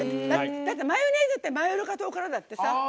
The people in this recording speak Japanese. マヨネーズってマヨルカ島からだってさ。